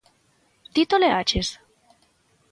Ti toleaches?